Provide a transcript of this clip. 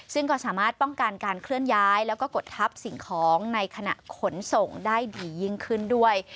ซึ่งก็สามารถป้องกันการเคลื่อนย้ายแล้วก็กดทับสิ่งของในขณะขนส่งได้ดียิ่งขึ้นด้วย